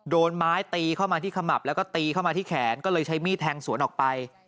โดนไม้ตีเข้ามาที่ขมับแล้วก็ตีเข้ามาที่แขนก็เลยใช้มีดแทงสวนออกไป